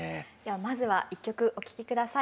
まずは１曲お聴き下さい。